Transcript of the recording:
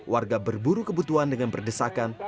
warga berburu kebutuhan dengan berdesakan